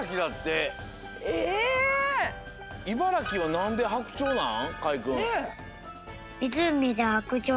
いばらきはなんでハクチョウなん？